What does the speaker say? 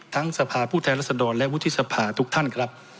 ทั้งสภาพูดแท้ลักษณ์ดรและวุฒิสภาทุกท่านครับ